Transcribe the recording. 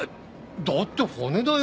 だって骨だよ？